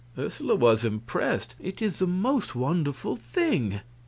Ursula was impressed. "It is the most wonderful thing!"